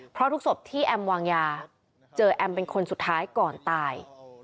เพราะทุกศพที่แอมวางยาเจอแอมเป็นคนสุดท้ายก่อนตาย